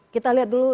kita lihat dulu